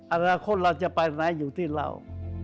อนาคตเราจะไปไหนอยู่ที่เรา